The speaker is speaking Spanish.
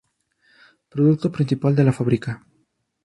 Producto principal de la fábrica.